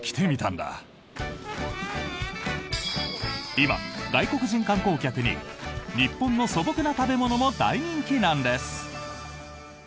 今、外国人観光客に日本の素朴な食べ物も大人気なんです！